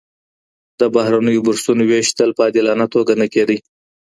د بهرنیو بورسونو ويش تل په عادلانه توګه نه کيده.